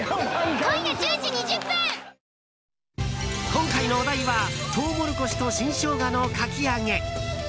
今回のお題はトウモロコシと新ショウガのかき揚げ。